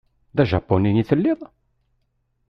D ajapuni i telliḍ?